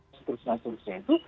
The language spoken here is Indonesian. dan seterusnya seterusnya itu